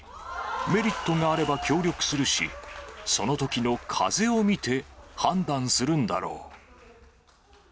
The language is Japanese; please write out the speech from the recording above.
メリットがあれば協力するし、そのときの風を見て判断するんだろう。